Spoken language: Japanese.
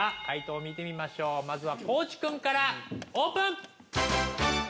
解答見てみましょうまずは地君からオープン！